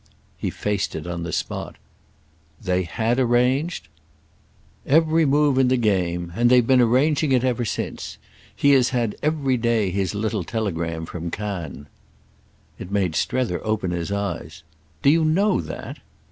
He faced it on the spot. "They had arranged—?" "Every move in the game. And they've been arranging ever since. He has had every day his little telegram from Cannes." It made Strether open his eyes. "Do you know that?"